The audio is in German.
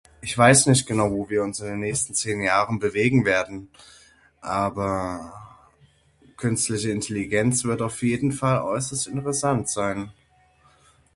Ich weiß nicht genau wo wir uns in den nächsten zehn Jahren bewegen werden aber künstliche Intelligenz wird auf jeden Fall äußerst interessant sein.